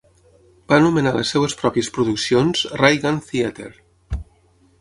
Va anomenar les seves pròpies produccions "Ray Gun Theater".